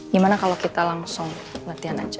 gimana kalau kita langsung latihan aja